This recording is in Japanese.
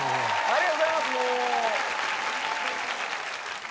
ありがとうございます。